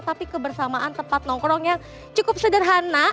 tapi kebersamaan tempat nongkrong yang cukup sederhana